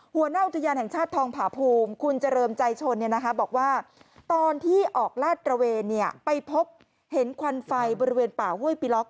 หัวหน้าอุทยานแห่งชาติทองผาภูมิคุณเจริญใจชนบอกว่าตอนที่ออกลาดตระเวนไปพบเห็นควันไฟบริเวณป่าห้วยปิล็อก